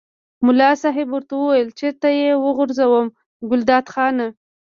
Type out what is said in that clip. ملا صاحب ورته وویل چېرته یې وغورځوم ګلداد خانه.